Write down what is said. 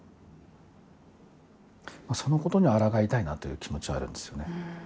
そのことにあらがいたいなという気持ちがあるんですよね。